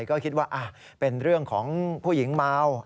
ก็คิดว่าเป็นเรื่องของผู้หญิงเมา